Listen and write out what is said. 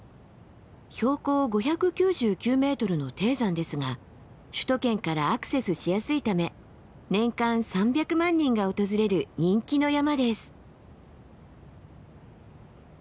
標高５９９ｍの低山ですが首都圏からアクセスしやすいため年間３００万人が訪れる人気の山です。